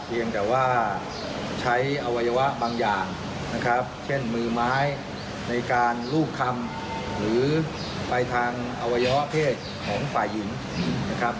เพียงแต่ว่าใช้อวัยวะบางอย่างนะครับเช่นมือไม้ในการรูปคำหรือไปทางอวัยวะเพศของฝ่ายหญิงนะครับ